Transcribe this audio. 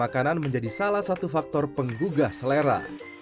adalah satu faktor penggugah selera